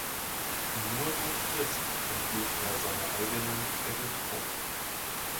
Nur durch List entgeht er seiner eigenen Vergiftung.